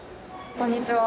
こんにちは！